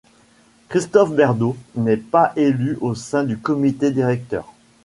Christophe Berdos n'est pas élu au sein du comité directeur.